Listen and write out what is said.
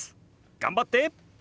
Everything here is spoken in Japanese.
頑張って！